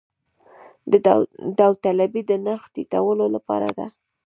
داوطلبي د نرخ ټیټولو لپاره ده